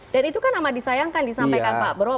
dan itu kan nama disayangkan disampaikan pak bro